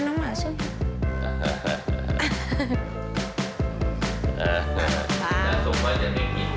น้องหมาชื่อ